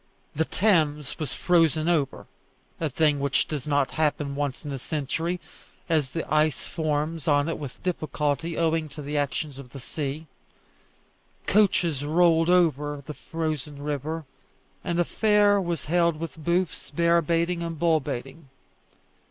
The Thames was frozen over a thing which does not happen once in a century, as the ice forms on it with difficulty owing to the action of the sea. Coaches rolled over the frozen river, and a fair was held with booths, bear baiting, and bull baiting.